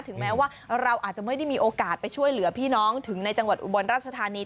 แม้ว่าเราอาจจะไม่ได้มีโอกาสไปช่วยเหลือพี่น้องถึงในจังหวัดอุบลราชธานี